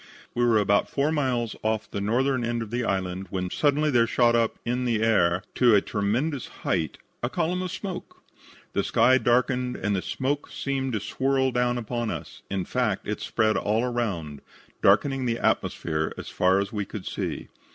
"We were about four miles off the northern end of the island when suddenly there shot up in the air to a tremendous height a column of smoke. The sky darkened and the smoke seemed to swirl down upon us. In fact, it spread all around, darkening the atmosphere as far as we could see.